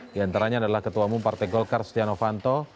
di antaranya adalah ketua umum partai golkar stiano vanto